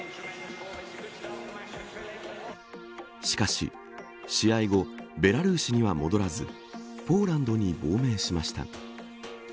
しかし試合後ベラルーシには戻らずポーランドに亡命しました。